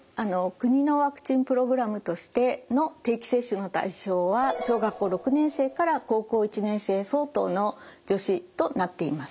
国のワクチンプログラムとしての定期接種の対象は小学校６年生から高校１年生相当の女子となっています。